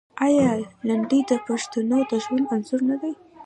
آیا لنډۍ د پښتنو د ژوند انځور نه دی؟